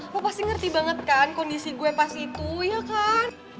gue pasti ngerti banget kan kondisi gue pas itu ya kan